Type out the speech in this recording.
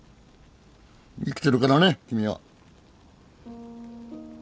生きてるからね君は。